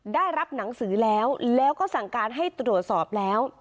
ได้รับหนังสือแล้วแล้วก็สั่งการให้ตรวจสอบแล้ว